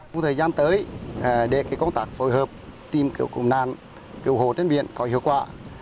trong thời gian tới để công tác phối hợp tìm kiếm cứu nạn cứu hộ trên biển có hiệu quả